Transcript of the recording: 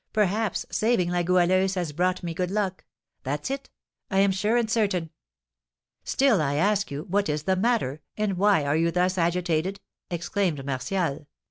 Perhaps saving La Goualeuse has brought me good luck, that's it, I am sure and certain." "Still, I ask you, what is the matter, and why are you thus agitated?" exclaimed Martial.